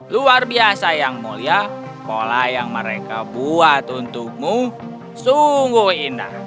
luar biasa yang mulia pola yang mereka buat untukmu sungguh indah